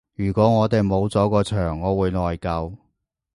如果我哋冇咗個場我會內疚